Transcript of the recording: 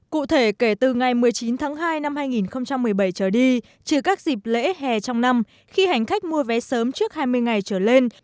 cụ thể kể từ ngày một mươi chín tháng hai năm hai nghìn một mươi bảy trở đi trừ các dịp lễ hè trong năm khi hành khách mua vé sớm trước hai mươi ngày trở lên